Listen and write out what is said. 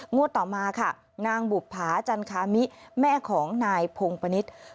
ต่อมาค่ะนางบุภาจันคามิแม่ของนายพงปณิชย์